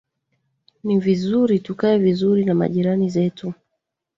ni vizuri tukae vizuri na majirani zetu